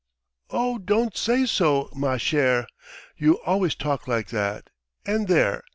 "Oh, don't say so, ma chère! You always talk like that; and there